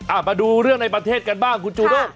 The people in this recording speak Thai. มาดูเรื่องในประเทศกันบ้างคุณจูด้ง